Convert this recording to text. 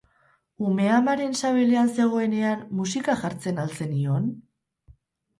Umea amaren sabelean zegoenean musika jartzen al zenion?